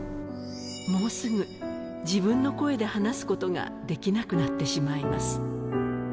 もうすぐ自分の声で話すことができなくなってしまいます。